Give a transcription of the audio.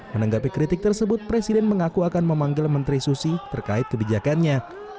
menanggapi kritik tersebut presiden mengaku akan memanggil menteri susi terkait kebijakannya